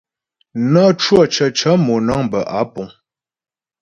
Nə́ cwə̂ cəcə̌ mònə̀ŋ bə́ á púŋ.